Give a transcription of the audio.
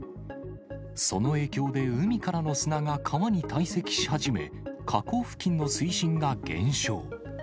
その影響で、海からの砂が川に堆積し始め、河口付近の水深が減少。